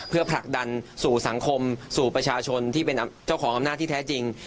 เพื่อผลักดันสู่สังคมสู่ประชาชนที่เป็นเจ้าของอำนาจที่แท้จริง